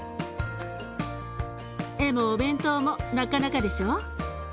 絵もお弁当もなかなかでしょ？